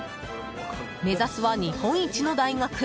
目指すは日本一の大学。